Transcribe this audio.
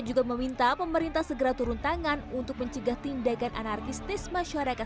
juga meminta pemerintah segera turun tangan untuk mencegah tindakan anarkistis masyarakat